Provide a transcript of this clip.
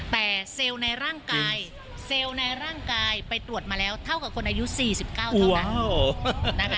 แต่เซลล์ในร่างกายไปตรวจมาแล้วเท่ากับคนอายุ๔๙เท่านั้น